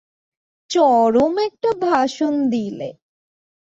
চরম একটা ভাষণ দিলে।